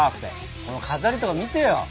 この飾りとか見てよ。